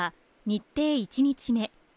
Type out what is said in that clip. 「日程１日目」